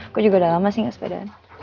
aku juga udah lama sih enggak sepedaan